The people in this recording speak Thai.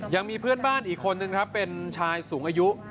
ยังมีเพื่อนบ้านอีกคนนึงครับเป็นชายสูงอายุ